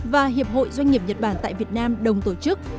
và hiệp hội doanh nghiệp nhật bản tại việt nam đồng tổ chức